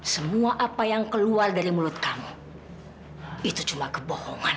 semua apa yang keluar dari mulut kamu itu cuma kebohongan